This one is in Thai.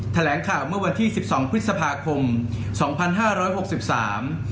แถลงข่าวเมื่อวันที่สิบสองพฤษภาคมสองพันห้าร้อยหกสิบสาม